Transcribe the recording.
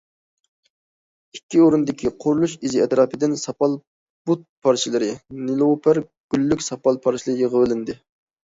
ئىككى ئورۇندىكى قۇرۇلۇش ئىزى ئەتراپىدىن ساپال بۇت پارچىلىرى، نېلۇپەر گۈللۈك ساپال پارچىلىرى يىغىۋېلىندى.